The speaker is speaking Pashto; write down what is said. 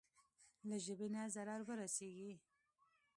له ژبې نه ضرر ورسېږي.